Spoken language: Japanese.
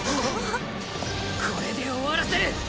これで終わらせる！